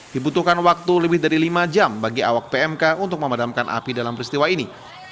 dibutuhkan waktu lebih dari lima jam bagi awak pmk untuk memadamkan api dalam peristiwa ini